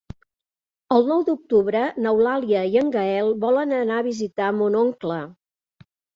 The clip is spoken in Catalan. El nou d'octubre n'Eulàlia i en Gaël volen anar a visitar mon oncle.